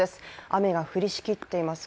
雨が降りしきっています。